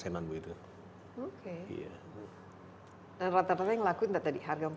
dan rata rata yang laku entar tadi harga empat ratus tujuh ratus